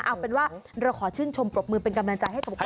เอาเป็นว่าเราขอชื่นชมปรบมือเป็นกำลังใจให้กับพวกเขา